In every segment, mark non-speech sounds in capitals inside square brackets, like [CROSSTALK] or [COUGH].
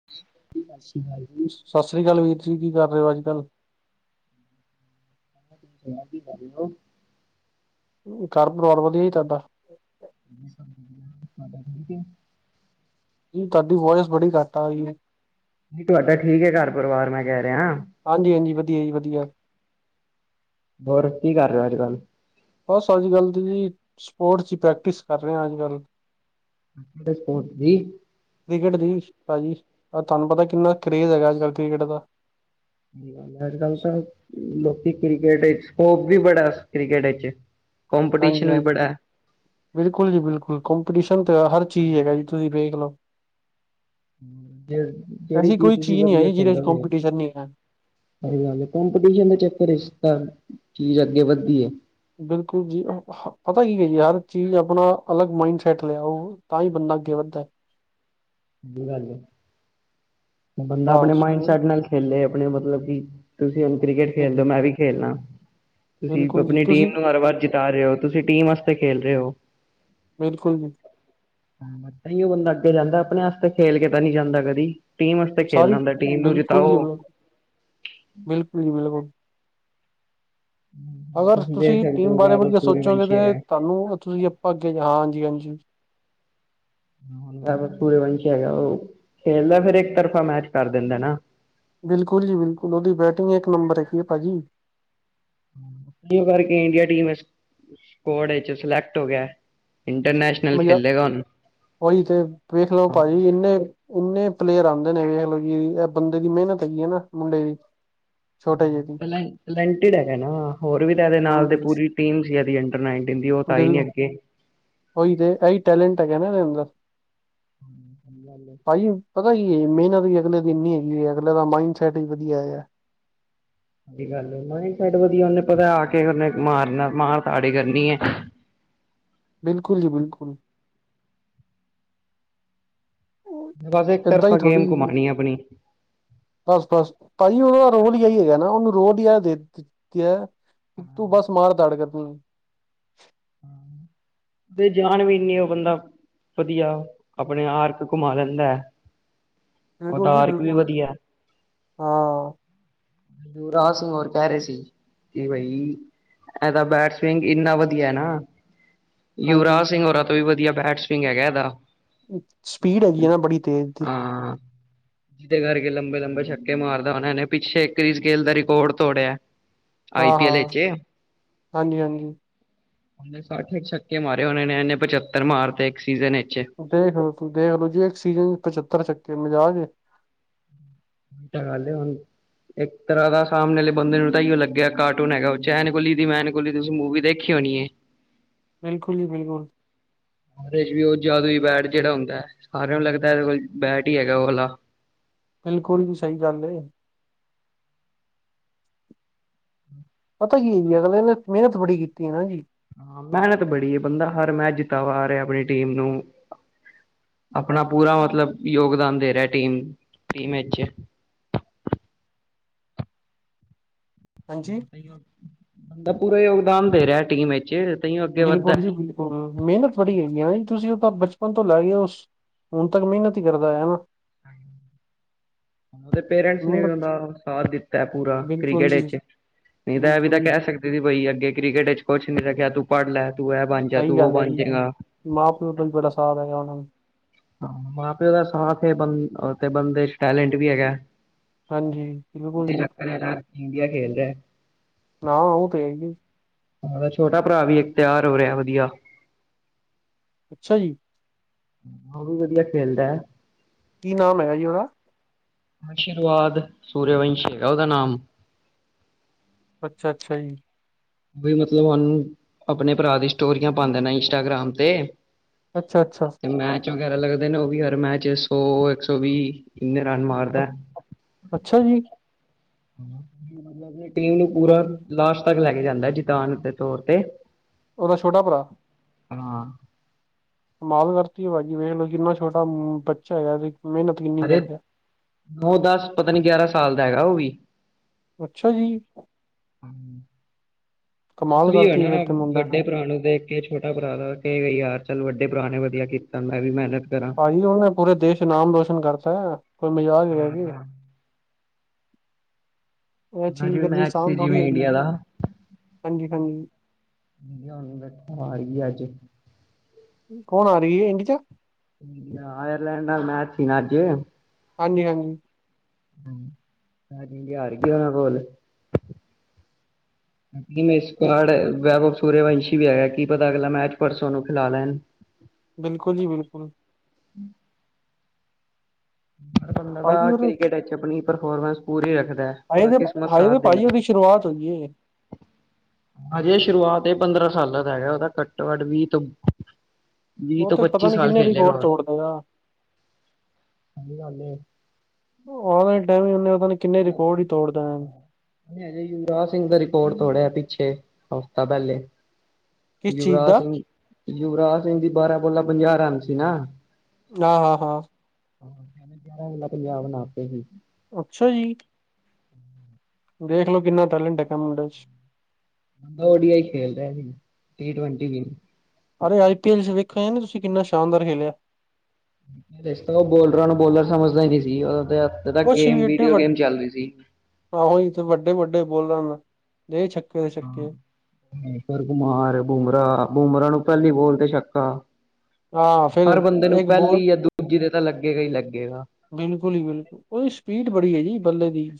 [UNINTELLIGIBLE] ਸਾਸ ਰੀ ਕਾਲ ਜੀ। ਮੈਂ ਸਾਸ ਰੀ ਕਾਲ ਵੀਰ ਜੀ। ਕੀ ਕਰ ਰੇ ਓ ਅੱਜ-ਕੱਲ? ਹੋਰ ਕੀ ਕਰ ਰਹੇ ਓ? ਕਾੱਰ ਪਰਿਵਾਰ ਵਧੀਆ ਜੀ ਤੁਆਡਾ। ਹਾਂਜੀ ਸਭ ਵਧੀਆ ਤੁਆਡਾ ਠੀਕ ਏ? ਜੀ ਤੁਆਡੀ ਵੋਇਸ ਬੜੀ ਕੱਟ ਆ ਰਹੀ ਏ। ਜੀ ਤੁਆਡਾ ਠੀਕ ਏ ਕਾੱਰ ਪਰਿਵਾਰ ਮੈਂ ਕੈ ਰਿਆਂ। ਹਾਂਜੀ-ਹਾਂਜੀ ਵਧੀਆ ਜੀ ਵਧੀਆ। ਬੋਰ ਕੀ ਕਰ ਰੇ ਓ ਅੱਜ-ਕੱਲ? ਬਸ ਅੱਜ-ਕੱਲ ਦੀ ਜੀ ਸਪੋਰਟਸ ਦੀ ਪ੍ਰੈਕਟਿਸ ਕਰ ਰਿਆਂ ਅੱਜ-ਕੱਲ। ਕੇੜੇ ਸਪੋਰਟ ਦੀ। ਕ੍ਰਿਕਟ ਦੀ, ਪਾਜੀ, ਥਾਨੂੰ ਪਤਾ ਕਿੰਨਾ ਕਰੇਜ਼ ਹੈਗਾ ਅੱਜ-ਕੱਲ ਕ੍ਰਿਕਟ ਦਾ। ਸਈ ਗੱਲ ਏ ਅੱਜ-ਕੱਲ ਤਾਂ ਲੋਕੀ ਕ੍ਰਿਕਟ ਇਚ, ਸਕੋਪ ਵੀ ਬੜਾ ਕ੍ਰਿਕਟ ਇਚ। ਹਾਂਜੀ ਹਾਂ, ਬਿਲਕੁਲ ਜੀ ਬਿਲਕੁਲ ਕੰਪੀਟੀਸ਼ਨ ਤਾਂ ਹਰ ਚੀਜ਼ ਹੈਗਾ ਜੀ ਤੁਸੀਂ ਵੇਖ ਲੋ। ਜੇ, ਜੇੜੀ ਐਸੀ ਚੀਜ਼ ਕੋਈ ਤੁਸੀਂ ਨਹੀਂ ਹੈ ਵਧੀਆ ਜੀ ਜਿਹਦੇ ਚ ਖੇਲੋਗੇ। ਕੰਪੀਟੀਸ਼ਨ ਨਹੀਂ ਹੈ ਕੰਪੀਟੀਸ਼ਨ ਦੇ ਚੱਕਰ ਇਚ ਤਾਂ ਚੀਜ਼ ਅੱਗੇ ਵੱਧਦੀ ਏ। ਬਿਲਕੁਲ ਜੀ। ਹ ਹ ਪਤਾ ਕੀ ਏ ਯਾਰ ਚੀਜ਼ ਆਪਣਾ ਅਲੱਗ ਮਾਈਡ ਸੈਟ ਲਿਆ ਓ। ਤਾਂਈ ਬੰਦਾ ਅੱਗੇ ਵੱਧਦਾ। ਸ‌ਈ ਗੱਲ ਏ। ਬੰਦਾ ਆਪਣੇ ਬਸ ਮੈਂ ਮਾਇੰਡਸੈਟ ਨਾਲ ਖੇਲੇ ਆਪਣੇ ਮਤਲਬ ਕੀ ਤੁਸੀਂ ਹੁਣ ਕ੍ਰਿਕਟ ਖੇਲਦੇ ਓ ਮੈਂ ਵੀ ਖੇਲਣਾ, ਤੁਸੀਂ ਬਿਲਕੁਲ ਜੀ ਆਪਣੀ ਤੁਸੀਂ ਟੀਮ ਨੂੰ ਹਰ ਵਾਰ ਜਿਤਾ ਰੇ ਓ ਤੁਸੀਂ ਟੀਮ ਆਸਤੇ ਖੇਲ ਰੇ ਓ। ਬਿਲਕੁਲ ਜੀ। ਹੂੰ ਤਾਂਈ ਓ ਬੰਦਾ ਅੱਗੇ ਜਾਂਦਾ ਆਪਣੇ ਆਸਤੇ ਖੇਲ ਕੇ ਤਾਂ ਨੀ ਜਾਂਦਾ ਕਦੀ। ਟੀਮ ਆਸਤੇ ਖੇਲਣਾ ਸਾਰੀ ਹੁੰਦਾ, ਟੀਮ ਨੂੰ ਜਿਤਾਓ। ਬਿਲਕੁਲ-ਬਿਲਕੁਲ। ਅਗਰ ਦੇਖ ਤੁਸੀਂ ਸਕਦੇ ਟੀਮ ਹੋ ਬਾਰੇ ਵੈਭਵ ਵਧੀਆ ਸੋਚੋਗੇ ਸੂਰਯਵੰਸ਼ੀ ਤੇ ਹੈਗਾ ਤਾਨੂੰ ਤੁਸੀਂ ਆਪਾਂ ਅੱਗੇ ਹਾਂ ਹਾਂਜੀ-ਹਾਂਜੀ। ਐ ਸੂਰੇਵੰਸ਼ ਹੈਗਾ ਓ ਖੇਲਦਾ ਫੇਰ ਏਕ ਤਰਫਾ ਮੈਚ ਕਰ ਦਿੰਦਾ ਨਾ। ਬਿਲਕੁਲ ਜੀ ਬਿਲਕੁਲ ਓਦੀ ਬੈਟਿੰਗ ਏਕ ਨੰਬਰ ਹੈਗੀ ਏ ਪਾਜੀ। ਤਾਈਂ ਓ ਕਰਕੇ ਇੰਡੀਆ ਟੀਮ ਵਿਚ ਸਕੋਡ ਇਚ ਸਿਲੈਕਟ ਹੋ ਗਿਆ। ਇੰਟਰਨੈਸ਼ਨਲ ਮਜ਼ਾ ਖੇਲੇਗਾ ਹੁਣ। -ਓਈ ਤੇ ਵੇਖ ਲੋ ਭਾਜੀ ਏਨੇ- ਏਨੇ ਪਲੇਅਰ ਆਂਦੇ ਨੇੇ ਵੇਖ ਲੋ ਜੀ ਐ ਬੰਦੇ ਦੀ ਮੇਨਤ ਹੈਗੀ ਐ ਨਾ ਮੁੰਡੇ ਦੀ। ਓ ਤਾਂ ਹੈ ਈ ਏ ਜੀ। ਟਲੈਂ ਟਲੈਂਟਿਡ ਹੇਗਾ ਨਾ। ਹੋਰ ਵੀ ਤਾਂ ਏਦੇ ਨਾਲ ਹਮ ਦੇ ਪੂਰੀ ਟੀਮ ਸੀ ਏਦੀ ਅੰਡਰ ਨਾਈਨਟਿਨ ਦੀ, ਓ ਤਾਂ ਆਈ ਨੀ ਅੱਗੇ। ਓਈ ਤੇ ਐਈ ਟੈਲੈਂਟ ਹੈਗਾ ਨਾ ਏਦਾਂ ਹੁਣ ਦਾ। ਹੂੰ ਸਹੀ ਗੱਲ ਏ। ਭਾਅ ਜੀ ਪਤਾ ਕੀ ਏ ਮੇਨਤ ਵੀ ਅਗਲੇ ਦੀ ਏਨੀ ਹੈਗੀ ਏ। ਅਗਲੇ ਦਾ ਮਾਈੰਡਸੈਟ ਵੀ ਵਧੀਆ ਹੈਗਾ। ਸ‌ਈ ਗੱਲ‌ ਏ, ਮਾਇੰਫ ਸੈਟ ਵਧੀਆ। ਓਨੂੰ ਪਤਾ ਆ ਕੇ ਓਨੇ ਮਾਰਨਾ ਮਾਰ ਤਾੜ ਈ ਕਰਨੀ ਏ। ਬਿਲਕੁਲ ਜੀ ਬਿਲਕੁਲ। ਬਸ ਇੱਕ ਏਦਾਂ ਹੀ ਤਰਫਾ ਗੇਮ ਘਮਾਣੀ ਆਪਣੀ। ਬਸ- ਬਸ ਭਾਜੀ ਓਦਾ ਰੋਲ ਈ ਏਈ ਹੈਗਾ ਨਾ। ਓਨੂੰ ਰੋਡ ਈ ਐ ਦੇ ਦਿੱਤੀ ਐ। ਕੀ ਤੂੰ ਬਸ ਮਾਰ ਦਾੜ ਕਰਨੀ ਏ। [INAUDIBLE] ਫੇਰ ਜਾਣ ਵੀ ਨੀ ਉਹ ਬੰਦਾ। ਵਧੀਆ ਆਪਣੇ ਆਰਕ ਘੁਮਾ ਲੈਂਦਾ ਹੈ। ਉਦਾ ਬਿਲਕੁਲ ਜੀ ਆਰਕ ਵੀ ਬਿਲਕੁਲ ਵਧੀਆ। ਹਾਂ ਯੂਵਰਾਜ ਸਿੰਘ ਹੋਰ ਕਹਿ ਰਹੇ ਸੀ ਕਿ ਬਈ ਇਹ ਦਾ ਬੈਟ ਸਵਿੰਗ ਇੰਨਾ ਵਧੀਆ ਏ ਨਾ। ਹਾਂਜੀ ਯੁਵਰਾਜ ਸਿੰਘ ਹੋਰਾਂ ਤੋਂ ਵੀ ਵਧੀਆ ਬੈਟਸ ਸਵੀੰਗ ਹੈਗਾ ਇਹਦਾ। ਸਪੀਡ ਹੈਗੀ ਆ ਨਾ ਬੜੀ ਤੇਜ਼ ਦੀ। ਹਾਂ ਜਿਹਦੇ ਕਰਕੇ ਲੰਬੇ- ਲੰਬੇ ਛੱਕੇ ਮਾਰਦਾ ਉਹਨਾਂ ਨੇ ਪਿੱਛੇ ਇੱਕ ਸਕੇਲ ਦਾ ਰਿਕਾਰਡ ਤੋੜਿਆ। ਆਈ ਹਾਂ- ਪੀ ਐਲ ਹਾਂ, ਵਿੱਚ। ਹਾਂਜੀ- ਹਾਂਜੀ। ਔਹਣੇ ਸੱਠ ਕ ਛੱਕੇ ਮਾਰੇ ਉਹਨਾਂ ਨੇ ਇਹਨੇ ਪਚੱਤਰ ਮਾਰ ਤੇ ਇੱਕ ਸੀਜ਼ਨ ਵਿਚ। ਦੇਖ ਲੋ- ਦੇਖ ਲੋ ਜੀ ਇੱਕ ਸੀਜਨ ਚ ਪੱਤਰ ਛੱਕੇ ਮਜਾਕੇ ਏ। ਓਹ ਤਾਂ ਗੱਲ ਏ ਹੂੰਣ। ਇੱਕ ਤਰਾਂ ਦਾ ਸਾਹਮਣੇ ਵਾਲੇ ਬੰਦੇ ਨੂੰ ਤਾਂ ਹੀ ਉਹ ਲੱਗਿਆ ਕਾਰਟੂਨ ਹੈਗਾ, ਉਹ ਚੈਨ ਕੋੋਲੀ ਦੀ ਮੈਂ ਕੋੋਲੀ ਤੁਸੀਂ ਮੂਵੀ ਦੇਖ ਵੇਖੀ ਹੋਣੀ ਏ। ਬਿਲਕੁਲ ਜੀ ਬਿਲਕੁਲ। ਓਦੇ ਚ ਵੀ ਉਹ ਜਦੂਈ ਬੈਟ ਜਿਹੜਾ ਹੁੰਦਾ ਹੈ, ਸਾਰਿਆਂ ਨੂੰ ਲੱਗਦਾ ਇਹਦੇ ਕੋਲ ਬੈਟ ਹੀ ਹੈਗਾ ਉਹ ਵਾਲਾ। ਬਿਲਕੁਲ ਜੀ ਸਹੀ ਗੱਲ ਏ। ਪਤਾ ਕੀ ਜੀ ਅਗਲੇ ਨੇ ਮਿਹਨਤ ਬੜੀ ਕੀਤੀ ਹੈ ਨਾ ਜੀ। ਹਾਂ ਮਿਹਨਤ ਬੜੀ ਹੈ ਬੰਦਾ ਹਰ ਮੈਚ ਜਿੱਤਾ ਆ ਰਿਹਾ ਆਪਣੀ ਟੀਮ ਨੂੰ। ਆਪਣਾ ਪੂਰਾ ਮਤਲਬ ਯੋਗਦਾਨ ਦੇ ਰਿਹਾ ਟੀਮ- ਟੀਮ ਵਿਚ। ਹਾਂਜੀ। ਬੰਦਾ ਪੂਰਾ ਯੋਗਦਾਨ ਦੇ ਰਿਹਾ ਟੀਮ ਵਿਚ। ਬਿਲਕੁਲ ਜੀ ਬਿਲਕੁਲ ਮਿਹਨਤ ਬੜੀ ਹੈਗੀ ਨਾ ਜੀ ਤੁਸੀਂ ਉਹ ਤਾਂ ਬਚਪਨ ਤੋਂ ਲਾ ਗਏ ਹੋ ਉਸ ਹੁਣ ਤੱਕ ਮਿਹਨਤ ਹੀ ਕਰਦਾ ਆਯਾ ਨਾ। [UNINTELLIGIBLE] ਉਹਦੇ ਪੇਰੈਂਟਸ ਨੇ ਵੀ ਮਿਹਨਤ ਉਹਦਾ ਸਾਥ ਦਿੱਤਾ ਪੂਰਾ ਬਿਲਕੁਲ ਕ੍ਰਿਕਟ ਜੀ ਵਿੱਚ। ਨਹੀਂ ਤਾਂ ਇਹ ਵੀ ਬਿਲਕੁਲ ਤਾਂ ਜੀ ਕਹਿ ਸਕਦੇ ਸੀ ਬਈ ਅੱਗੇ ਕ੍ਰਿਕਟ ਵਿੱਚ ਕੁਛ ਨੀ ਰਿਆ ਤੂੰ ਪੜ ਲੈ ਤੂੰ ਐ ਬਣ ਜਾ ਸਹੀ ਤੂੰ ਉਹ ਗੱਲ ਹੈ ਬਣ ਜੀ ਜੇਗਾ। ਮਾਂ ਪਿਓ ਦਾ ਵੀ ਬੜਾ ਸਾਥ ਹੈਗਾ ਉਹਨਾਂ ਨੂੰ। ਹਾਂ ਮਾਂ ਪਿਓ ਦਾ ਸਾਥ ਹੈ ਬੰ ਤੇ ਬੰਦੇ ਚ ਟੈਲੈਂਟ ਵੀ ਹੈਗਾ। ਹਾਂਜੀ ਬਿਲਕੁਲ ਸ਼੍ਰੀ ਜੀ ਲੰਕਾ ਦੇ ਨਾਲ ਇੰਡੀਆ ਖੇਲ ਦਾ ਹੈ। ਹਾਂ ਉਹ ਤੇ ਹੈ ਹੀ ਏ। ਹਾਂ ਓਹਦਾ ਛੋਟਾ ਭਰਾ ਵੀ ਇਕ ਤਿਆਰ ਹੋ ਰਿਹਾ ਵਧੀਆ। ਅੱਛਾ ਜੀ। ਹੋਰ ਵੀ ਵਧੀਆ ਖੇਲਦਾ ਏ। ਕੀ ਨਾਮ ਹੈਗਾ ਜੀ ਉਹਦਾ? ਆਸ਼ੀਰਵਾਦ ਸੂਰਯਵੰਸ਼ ਹੈਗਾ ਉਹਦਾ ਨਾਮ। ਅੱਛਾ-ਅੱਛਾ ਜੀ। ਮਤਲਬ ਉਹ ਆਪਣੇ ਭਰਾ ਦੀ ਸਟੋਰੀਆਂ ਪਾਉਦੇ ਨੇ ਇੰਸਟਾਗ੍ਰਾਮ ਤੇ। ਅੱਛਾ- ਅੱਛਾ! ਤੇ ਮੈਚ ਵਗੈਰਾ ਲੱਗਦੇ ਨੇ, ਉਹ ਵੀ ਹਰ ਮੈਚ ਸੌ ਇੱਕ ਸੌ ਵੀ ਇੰਨੇ ਰਨ ਮਾਰਦਾ। ਅੱਛਾ ਜੀ। ਮਤਲਬ ਆਪਣੀ ਟੀਮ ਨੂੰ ਪੂਰਾ ਵਧ- ਲਾਸਟ ਤੱਕ ਲੈ ਕੇ ਜਾਂਦਾ ਜਿਤਾਨ ਦੇ ਤੌਰ ਤੇ। ਉਹਦਾ ਛੋਟਾ ਭਰਾ। ਹਾਂ। ਕਮਾਲ ਕਰਤੀ ਭਾਜੀ, ਵੇਖ ਲੋ ਕਿੰਨਾ ਛੋਟਾ ਬੱਚਾ ਹੈ, ਮਿਹਨਤ ਕਿੰਨੀ ਅਰੇ ਕਰਦਾ ਨੌ ਦਸ, ਪਤਾ ਨੀ ਗਿਆਰਾਂ ਸਾਲ ਦਾ ਹੈਗਾ ਉਹ ਵੀ। ਅੱਛਾ ਜੀ। ਬਸ ਕਮਾਲ ਉਹੀ ਹੈ ਕਰਤੀ ਫੇਰ ਨਾ ਤੇ ਮੁੰਡਾ ਵੱਡੇ ਭਰਾ ਨੂੰ ਦੇ ਕੇ ਛੋਟਾ ਭਰਾ ਦਾ ਕ ਯਾਰ ਚੱਲ ਵੱਡੇ ਭਰਾ ਨੇ ਵਧੀਆ ਕੀਤਾ ਮੈਂ ਵੀ ਮਿਹਨਤ ਕਰਾਂ। ਭਾਜੀ ਉਹ ਨੇ ਪੂਰੇ ਦੇਸ਼ ਨਾਮ ਰੋਸ਼ਨ ਕਰਤਾ ਕੋਈ ਮਜ਼ਾਕ ਨਹੀਂ ਹੈਗੀ। ਹਾਂਜੀ ਕਰਨੀ ਮੈਚ ਸੀ ਆਸਾਨ ਥੋੜ੍ਹੀ ਜਿਵੇਂ ਹੈਗੀ ਇੰਡੀਆ ਦਾ ਹਾਂਜੀ ਹਾਂਜੀ ਆ ਰੀ ਅੱਜ। [UNINTELLIGIBLE] ਕੌਣ ਆ ਰਹੀ ਹੈ ਇੰਡੀ ਚ? ਅਏਰਲੈਂਡ ਨਾਲ ਮੈਚ ਸੀ ਨਾ ਅੱਜ। ਹਾਂਜੀ-ਹਾਂਜੀ। ਹਾਂਜੀ-ਹਾਂਜੀ ਹੋਰ? ਅਜ ਇੰਡੀਆ ਹਾਰ ਗ ਓਹਨਾਂ ਕੋਲ। ਵੈ ਸੂਰਯਵੰਸ਼ੀ ਵੀ ਹੈਗਾ ਕੀ ਪਤਾ ਅਗਲਾ ਮੈਚ ਪਰਸੋਂ ਨੂੰ ਖਿਲਾ ਲੈਣ। ਬਿਲਕੁਲ ਜੀ ਬਿਲਕੁਲ। ਪਰ ਬੰਦਾ ਭਾਜੀ ਤਾਂ ਉਹਦੇ ਕ੍ਰਿਕਟ ਵਿੱਚ ਆਪਣੀ ਪਰਫੋਰਮੈਂਸ ਪੂਰੀ ਰੱਖਦਾ ਏ, ਹਾਏ ਉਹਦਾ ਤੇ ਕਿਸਮਤ ਹਾਏ ਸਾਥ ਤੇ ਭਾਜੀ ਉਹਦੀ ਦਿੰਦੀ। ਸ਼ੁਰੂਆਤ ਹੋਈ ਏ। ਹਜੇ ਸ਼ੁਰੂਆਤ ਏ ਇਹ ਪੰਦਰਾਂ ਸਾਲਾਂ ਦਾ ਹੈਗਾ ਉਹਦਾ ਘੱਟੋ-ਘੱਟ ਵੀਹ ਤੋ ਉਹ ਤੇ ਪਤਾ ਨੀ ਕਿੰਨੇ ਰਿਕੋੋਟ ਹੁਣ ਤੋੜਦੇ ਗਾ। ਅਛੀ ਗਲ ਏ। ਉਹਦਾ ਟਾਈਮ ਹੀ ਹੁੰਦੇ ਉਹਦਾ [UNINTELLIGIBLE] ਕਿੰਨੇ ਰਿਕਾਰਡ ਨਹੀਂ ਹਜੇ ਯੁਵਰਾਜ ਸਿੰਘ ਦਾ ਰਿਕਾਰਡ ਤੋੜਿਆ ਪਿੱਛੇ ਹਫ਼ਤਾ ਪਹਿਲੇ। ਕਿਸ ਚੀਜ਼ ਯੁਵਰਾਜ ਦਾ ਸਿੰਘ ਯੁਵਰਾਜ ਸਿੰਘ ਦੀ ਬਾਰਾਂ ਬੋਲਾ ਪੰਜਾਹ ਰਨ ਸੀ ਨਾ। ਆ ਹਾਂ-ਹਾਂ। ਹਾਂ ਗਿਆਰਾਂ ਵਜੇ ਪੰਜਾਹ ਬਣਾ ਤੇ ਸੀ। ਅੱਛਾ ਜੀ। ਦੇਖ ਲਓ ਕਿੰਨਾ ਟੈਲੈਂਟ ਹੈਗਾ ਮੁੰਡੇ ਚ। ਵਧੀਆ ਹੀ ਖੇਲ ਰਿਹਾ ਸੀ। ਟੀ ਟਵੰਟੀ ਵੀ। ਅਰੇ ਆਈ ਪੀ ਐਲ ਚ ਵੇਖਿਆ ਤੁਸੀਂ ਕਿੰਨਾ ਸ਼ਾਨਦਾਰ ਖੇਲਿਆ। ਇਸ ਤਰਾਂ ਉਹ ਬੋਲਰਾਂ ਨੂੰ ਬੋਲਰ ਸਮਝਦਾ ਹੀ ਨੀ ਸੀ, ਉਹ ਕੁਛ ਵੀ ਇਡੇ ਵੱ ਆਹੋ ਵੱਡੇ-ਵੱਡੇ ਬੋਲਰਾ ਦਾ ਦੇ ਛੱਕੇ ਦੇ ਛੱਕੇ। ਹਕਰ ਕੁਮਾਰ, ਬੂਮਰਾ-ਬੂਮਰਾ ਨੂੰ ਪੈਲੀ ਬੋਲ ਤੇ ਛੱਕਾ। ਹਾਂ ਫਿਰ ਹਰ ਬੰਦੇ ਨੂੰ ਇੱਕ ਬੋਲ ਪੈਲੀ ਯਾ ਦੂਜੀ ਦੇ ਤਾਂ ਲੱਗੇਗਾ ਈ ਲੱਗੇਗਾ। ਬਿਲਕੁਲ ਹੀ ਬਿਲਕੁਲ ਉਹਦੀ ਸਪੀਡ ਬੜੀ ਏ ਜੀ ਬੱਲੇ ਦੀ।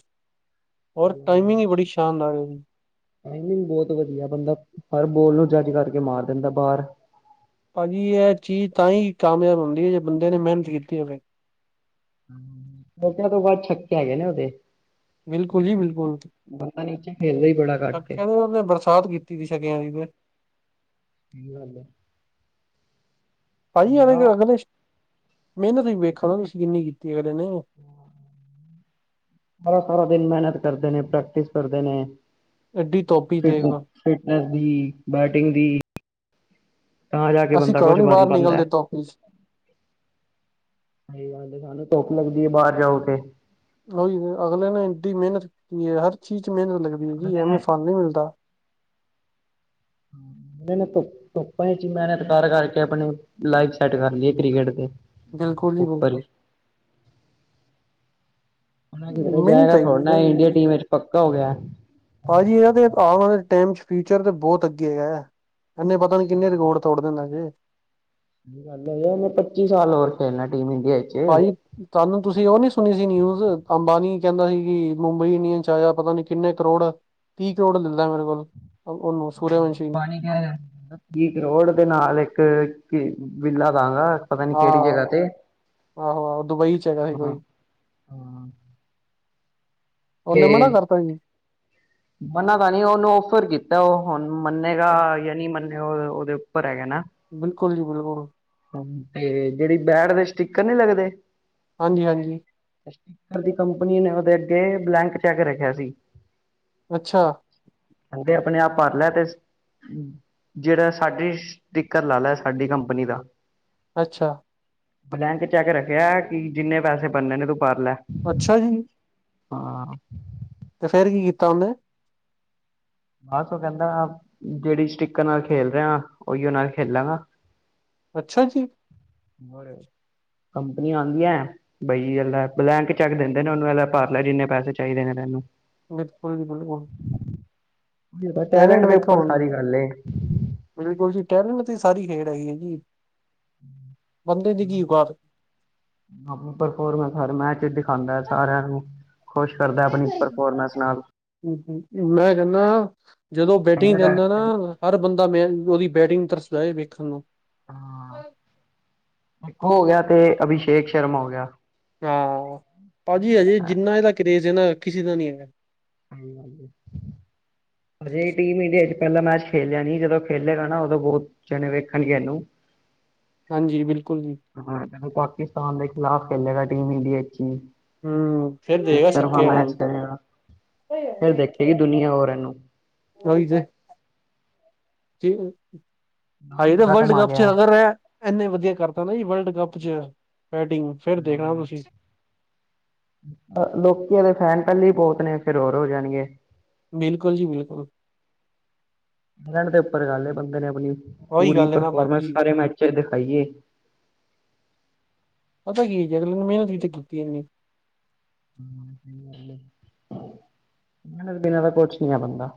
ਔਰ ਟਾਈਮਿੰਗ ਹੀ ਬੜੀ ਸ਼ਾਨਦਾਰ ਹੈ। [UNINTELLIGIBLE] ਨਈ-ਨਈ ਬੋਤ ਵਧੀਆ ਬੰਦਾ ਹਰ ਬੋਲ ਨੂੰ ਜੱਜ ਕਰਕੇ ਮਾਰ ਦਿੰਦਾ ਬਾਰ। ਭਾਜੀ ਐ ਚੀਜ਼ ਤਾਂ ਹੀ ਕਾਮਯਾਬ ਹੁੰਦੀ ਏ ਜੇ ਬੰਦੇ ਨੇ ਮੇਹਨਤ ਕੀਤੀ ਹੋਵੇ। [UNINTELLIGIBLE] ਤੋਂ ਬਾਦ ਛੱਕ ਕੇ ਹੈਗੇ ਨੇ ਓਦੇ। ਬਿਲਕੁਲ ਜੀ ਬਿਲਕੁਲ। ਬੰਦਾ ਨਿਚੇ ਖੇਲਦਾ ਹੀ ਬੜਾ ਘੱਟ ਏ। [UNINTELLIGIBLE] ਉਨੇ ਬਰਸਾਤ ਕੀਤੀ ਦੀ ਸ਼ਗਿਆਂ ਦੀ ਤੇ। ਕੀ ਹਾਲ ਹੈ। ਭਾਈੇ ਬੰਦਾ ਅਗਲੇ [UNINTELLIGIBLE] ਮਿਹਨਤ ਵੀ ਵੇਖੋ ਨਾ ਤੁਸੀਂ ਕਿੰਨੀ ਕੀਤੀ ਅਗਲੇ ਨੇ। ਸਾਰਾ-ਸਾਰਾ ਦਿਨ ਮੇਹਨਤ ਕਰਦੇ ਨੇ ਪ੍ਰੈਕਟਿਸ ਕਰਦੇ ਨੇ। ਐਡੀ ਤੋਪ ਈ ਫਿਟ ਦੇਖ ਲੋ। ਫਿਟਨੈਸ ਵੀ ਬੈਟਿੰਗ ਵੀ। ਅਸੀਂ ਕਰੋ ਕੁਛ ਨੀ ਬਾਰ ਬਣ ਪਾਂਦਾ। ਨਿਕਲਦੇ ਧੁੱਪ ਇਚ। ਸਈ ਗੱਲ ਏ ਸਾਨੂੰ ਧੁੱਪ ਲੱਗਦੀ ਏ ਬਾਰ ਜਾਓ ਤੇ। ਉਹੀ ਅਗਲੇ ਨੇ ਏਡੀ ਮੇਨਤ ਕੀਤੀ ਹਰ ਚੀਜ਼ ਚ ਮੇਨਤ ਲੱਗਦੀ ਏ ਜੀ ਅਗਲੇ ਐਵੇਂ ਨੇ ਫਲ ਨੀ ਮਿਲਦਾ। ਮੇਨਤ ਧੁੱਪਾਂ ਇਚ ਵੀ ਮੇਨਤ ਕਰ-ਕਰ ਕੇ ਆਪਣੇ ਲਾਈਫ ਸੈੱਟ ਕਰ ਲਈ ਏ ਕ੍ਰਿਕਟ ਤੇ। ਬਿਲਕੁਲ ਜੀ ਬਿਲਕੁਲ। ਔ ਹੂਨ ਐ ਕਿਧਰੇ ਮਿਹਨਤ ਜਾਏਗਾ ਥੋੜਾ ਨਾ ਇੰਡੀਆ ਹੈਗੀ ਟੀਮ ਵਿੱਚ ਪੱਕਾ ਹੋ ਗਿਆ। ਭਾਜੀ ਐ ਤੇ ਆਉਣ ਵਾਲੇ ਟਾਈਮ ਚ ਫਿਊਚਰ ਤੇ ਬੋਤ ਅੱਗੇ ਹੈ। ਐਨੇ ਪਤਾ ਨੀ ਕਿੰਨੇ ਰਿਕੋਡ ਤੋੜ ਦੇਨਾ ਜੇ। ਸਈ ਗੱਲ ਏ ਹਜੇ ਏਨੇ ਪੱਚੀ ਸਾਲ ਹੋਰ ਖੇਲਣਾ ਏ ਟੀਮ ਇੰਡੀਆ ਚ। ਪਾਜੀ ਕਾਲ ਨੂੰ ਤੁਸੀਂ ਉਹ ਨੀ ਸੁਣੀ ਸੀ ਨਿਊਜ਼, ਅੰਬਾਨੀ ਕੇੰਦਾ ਸੀ ਕਿ ਮੁੰਬਈ ਇੰਡੀਅਨ ਆਇਆ ਪਤਾ ਨੀ ਕਿੰਨੇ ਕਰੋੜ ਤੀਹ ਕਰੋੜ ਲਲੈ ਮੇਰੇ ਕੋਲ। ਉਹਨੂੰ ਹਾਂ ਸੂਰਯਵੰਸ਼ੀ ਨੂੰ ਬਾਨੀ। ਵੀ ਕਰੋੜ ਨਾਲ ਇਕ ਵਿੱਲਾ ਦਾਂਗਾ। ਪਤਾ ਨੀ ਆਹ ਕੇੜੀ ਜਗ੍ਹਾ ਆਹੋ ਤੇ ਆਹੋ ਦੁਬਈ ਚ ਹੈਗਾ ਸੀ ਹਾਂ-ਹਾਂ। ਕੋਈ ਤੇ ਉਹਨੇ ਮਨਾ ਕਰਤਾ ਮਨਾ ਤਾ ਨੀ ਓਨੂੰ ਔਫਰ ਕੀ ਤਾਂ ਉਹ ਹੁਣ ਮੰਨੇਗਾ ਜੀ ਯਾ ਨੀ ਮੰਨੇਗਾ, ਓ ਉਹਦੇ ਉੱਪਰ ਹੈਗਾ ਨਾ। ਬਿਲਕੁਲ ਜੀ ਬਿਲਕੁਲ। ਤੇ ਜੇੜੀ ਬੈਟ ਦੇ ਸਟਿਕਰ ਨੀ ਲੱਗਦੇ ਹਾਂਜੀ-ਹਾਂਜੀ। ਸਟਿਕਰ ਦੀ ਕੰਪਨੀ ਨੇ ਉਦੇ ਅੱਗੇ ਬਲੈਂਕ ਚੈੱਕ ਰੱਖਿਆ ਸੀ। ਅੱਛਾ। ਕੇੰਦੇ ਆਪਣੇ ਆਪ ਭਰ ਲੈ ਏਦੇ ਚ। ਜੇੜਾ ਸਾਡੀ ਸਟੀਕਰ ਲਾ ਲੇ ਸਾਡੀ ਕੰਪਨੀ ਦਾ। ਅੱਛਾ। ਬਲੈਂਕ ਚੈੱਕ ਰੱਖਿਆ ਕਿ ਜਿੰਨੇ ਪੈਸੇ ਬਨੇ ਨੇ ਤੂੰ ਪਰ ਲੈ। ਅੱਛਾ ਜੀ। ਹਾਂ। ਤੇ ਫੇਰ ਕੀ ਕੀਤਾ ਉਹਨੇ। ਬਸ ਉਹ ਕਹਿੰਦਾ, ਜਿਹੜੀ ਸਟਿਕਰ ਨਾਲ ਖੇਲ ਰਿਹਾ, ਉਹੀਓ ਨਾਲ ਖੇਲਾਂਗਾ। ਅੱਛਾ ਜੀ। ਹੋਰ, ਕੰਪਨੀਆਂ ਆਉਂਦੀਆ ਬਾਈ ਜੀ ਲੈ ਬਲੈਂਕ ਚੈੱਕ ਦਿੰਦੇ ਨੇ ਉਹਨੂੰ ਏਲੈ ਪਰ ਲੈ ਜਿੰਨੇ ਪੈਸੇ ਚਾਹੀਦੇ ਨੇ ਤੈਨੂੰ। [UNINTELLIGIBLE] ਬਸ ਟੈਲੈਂਟ ਦੇ ਵੇਖੋ ਉੱਪਰ ਹੁਣ। ਸਾਰੀ ਗੱਲ ਏ। ਬਿਲਕੁਲ ਜੀ ਟੈਲੈਂਟ ਤੇ ਹੀ ਸਾਰੀ ਖੇਡ ਹੈਗੀ ਹੈ ਜੀ, ਬੰਦੇ ਦੀ ਕੀ ਔਕਾਤ। ਪਰਫੋਰਮ ਮੈਂ ਚੀਜ਼ ਦਿਖਾਉਦਾ ਸਾਰਿਆਂ ਨੂੰ, ਖੁਸ਼ ਕਰਦਾ ਏ। ਔਕਾਤ ਮੈਂ ਕਹਿੰਨਾ, ਜਦੋਂ ਬੈਟਿੰਗ ਹਾਂ ਜਾਂਦਾ ਨਾ ਹਰ ਬੰਦਾ ਮੈਂ ਉਹਦੀ ਬੈਟਿੰਗ ਤਰਸਦਾ ਹੈ ਵੇਖਣ ਨੂੰ ਹਾਂ ਇੱਕ ਓ ਹੋ ਗਿਆ, ਤੇ ਅਭਿਸ਼ੇਕ ਸ਼ਰਮਾ ਹੋ ਗਿਆ। ਹਾਂ ਭਾਜੀ ਅਜੇ ਜਿੰਨਾ ਇਹਦਾ ਕਰੇਜ਼ ਹੈ ਨਾ, ਕਿਸੇ ਦਾ ਨਹੀਂ ਹੈਗਾ। ਹਾਂਜੀ-ਹਾਂਜੀ। ਹਜੇ ਟੀਮ ਇੰਡੀਆ ਚ ਪਹਿਲਾਂ ਮੈਚ ਖੇਲਿਆ ਨੀ, ਜਦੋਂ ਖੇਲੇਗਾ ਨਾ ਉਦੋਂ ਬਹੁਤ ਚਣੇ ਵੇਖਣਗੇ ਇਹਨੂੰ ਹਾਂਜੀ ਬਿਲਕੁਲ ਜੀ। ਹਾਂ ਜਦੋਂ ਪਾਕਿਸਤਾਨ ਦੇ ਖਿਲਾਫ ਚਲੇੇਗਾ ਟੀਮ ਇੰਡੀਆ ਚ ਹੀ ਹੂੰ ਫਿਰ ਇੱਕ ਦੇਗਾ ਤਰਫਾ ਛੱਕੇ ਆਲਾ ਮੈਚ ਨੂੰ ਕਰੇਗਾ, ਫਿਰ ਦੇਖੇਗੀ ਦੁਨੀਆਂ ਹੋਰ ਇਹਨੂੰ। ਉਹੀ ਤੇ ਨਾਮ ਆਹੀ ਤਾਂ ਬੜਾ ਵਰਲਡ ਕਮਾ ਕੱਪ ਚ ਗਿਆ ਅਗਰ ਰਿਹਾ, ਇੰਨੇ ਵਧੀਆ ਕਰਤਾ ਨਾ ਜੀ ਵਰਲਡ ਕੱਪ ਚ ਬੈਟਿੰਗ, ਫੇਰ ਦੇਖਣਾ ਤੁਸੀਂ ਅ ਲੋਕੀ ਇਹਦੇ ਫੈਨ ਪਹਿਲਾ ਹੀ ਬਹੁਤ ਨੇ ਫਿਰ ਹੋਰ ਹੋ ਜਾਣਗੇ। ਬਿਲਕੁਲ ਜੀ ਬਿਲਕੁਲ। ਡ ਦੇ ਉੱਪਰ ਗੱਲ ਏ ਬੰਦੇ ਨੇ ਆਪਣੀ ਉਹੀ ਪੂਰੀ ਗੱਲ ਹੈ ਨਾ ਪਰਫੋਰਮੈਂਸ ਭਾਜੀ। ਸਾਰੇ ਮੈਚ ਦਿਖਾਈਏ। ਪਤਾ ਕੀ ਹੈ ਜੇ ਅਗਲੇ ਨੇ ਮਿਹਨਤ ਵੀ ਕੀਤੀ ਇਹਨੀ ਮਿਹਨਤ ਬਿਨਾਂ ਦਾ ਕੁਛ ਨੀ ਆ ਬੰਦਾ,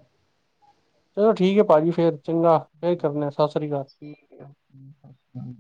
ਚਲੋ ਠੀਕ ਹੈ ਭਾਜੀ ਫੇਰ ਚੰਗਾ ਫੇਰ ਕਰਨਾ ਸਤਿ ਸ੍ਰੀ ਅਕਾਲ, ਠੀਕ ਐ।